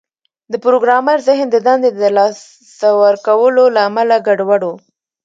د پروګرامر ذهن د دندې د لاسه ورکولو له امله ګډوډ و